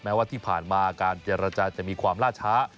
ว่าที่ผ่านมาการเจรจาจะมีความล่าช้า